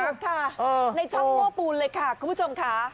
ค่ะในช่องโม้ปูนเลยค่ะคุณผู้ชมค่ะ